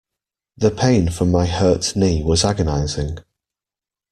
The pain from my hurt knee was agonizing.